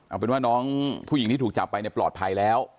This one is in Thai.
เอาเป็นว่าน้องผู้หญิงที่ถูกจับไปเนี่ยปลอดภัยแล้ว